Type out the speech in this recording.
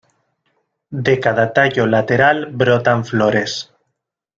De cada tallo lateral brotan flores.